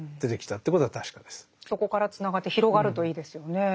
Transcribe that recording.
そこからつながって広がるといいですよねえ。